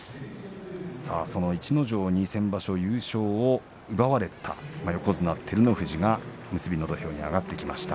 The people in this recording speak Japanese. その逸ノ城に先場所優勝を奪われた横綱照ノ富士が結びの土俵に上がってきました。